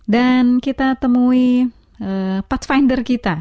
dan kita temui pathfinder kita